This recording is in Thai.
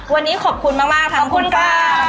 วันนี้ขอบคุณมากขอบคุณค่ะ